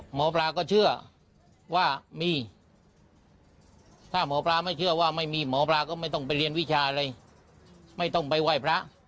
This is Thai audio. หมอปลาก็เชื่อว่ามีถ้าหมอปลาไม่เชื่อว่าไม่มีหมอปลาก็ไม่ต้องไปเรียนวิชาอะไรไม่ต้องไปไหว้พระ